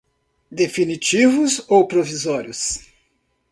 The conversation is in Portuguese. definitivos ou provisórios.